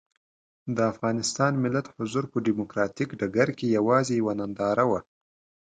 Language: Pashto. د افغانستان ملت حضور په ډیموکراتیک ډګر کې یوازې یوه ننداره وه.